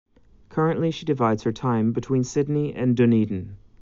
Currently she divides her time between Sydney and Dunedin.